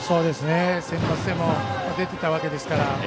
センバツでも出ていたわけですから。